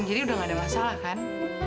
jadi udah nggak ada masalah kan